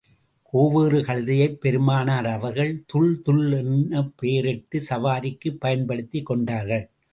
கோவேறு கழுதையைப் பெருமானார் அவர்கள் துல் துல் எனப் பெயரிட்டு சவாரிக்குப் பயன்படுத்திச் கொண்டார்கள்.